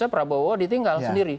prabowo ditinggal sendiri